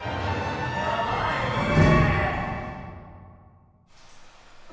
ヤバいこれ。